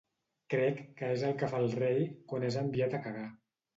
Crec que és el que fa el Rei quan és enviat a cagar.